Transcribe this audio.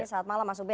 saat malam mas ubed